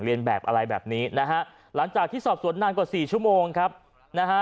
เรียนแบบอะไรแบบนี้นะฮะหลังจากที่สอบสวนนานกว่า๔ชั่วโมงนะฮะ